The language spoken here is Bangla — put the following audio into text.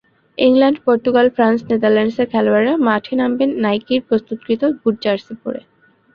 ইংল্যান্ড, পর্তুগাল, ফ্রান্স, নেদারল্যান্ডসের খেলোয়াড়েরা মাঠে নামবেন নাইকির প্রস্তুতকৃত বুট-জার্সি পরে।